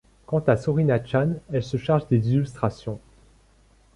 Quant à Sorina Chan, elle se charge des illustrations.